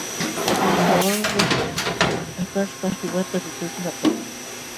Kuuśhawanmi hakaśhpa qiwata lutuykul apakun.